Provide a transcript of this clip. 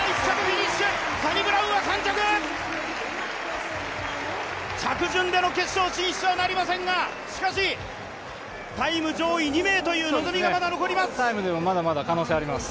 着順での決勝進出はなりませんが、しかしタイム上位２名という望みがまだ残ります。